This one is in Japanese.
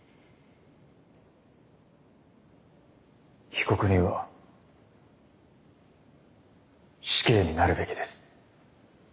被告人は死刑になるべきです。